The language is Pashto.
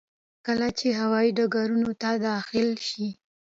کله چې هوايي ډګرونو ته داخل شي.